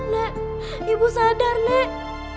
nek ibu sadar nek